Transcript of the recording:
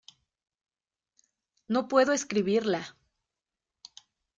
No puedo escribirla.